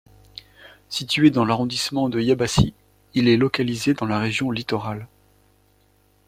Situé dans l'arrondissement de Yabassi, il est localisé dans la région Littoral.